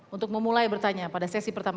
untuk memulai berbicara